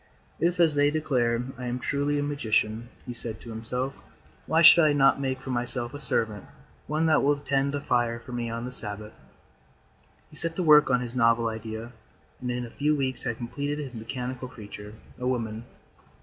] "If, as they declare, I am truly a magician," he said to himself, "why should I not make for myself a servant, one that will tend the fire for me on the Sabbath?" He set to work on his novel idea and in a few weeks had completed his mechanical creature, a woman.